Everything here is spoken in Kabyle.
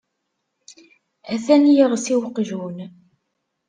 Atan yiɣes i waqjun.